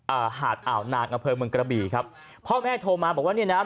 หาดอ่าวนางอำเภอเมืองกระบี่ครับพ่อแม่โทรมาบอกว่าเนี่ยนะ